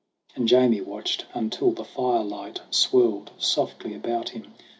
And Jamie watched until the firelight swirled Softly about him.